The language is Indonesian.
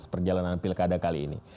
perjalanan pilkada kali ini